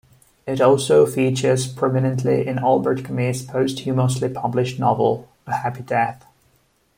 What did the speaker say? It also features prominently in Albert Camus' posthumously published novel, A Happy Death.